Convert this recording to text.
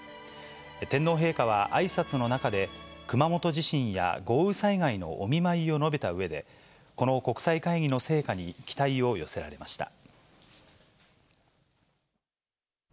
天皇陛下はあいさつの中で、熊本地震や豪雨災害のお見舞いを述べたうえで、この国際会議の成果に期待を寄せられました。